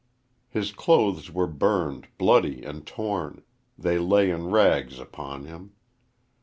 His clothes were burned, bloody, and torn they lay in rags upon him.